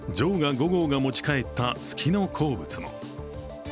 「嫦娥５号」が持ち帰った月の鉱物も。